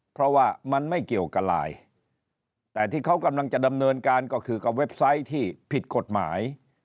เพราะว่ามันไม่เกี่ยวกับไลน์แต่ที่เขากำลังจะดำเนินการก็คือกับเว็บไซต์ที่ผิดกฎหมาย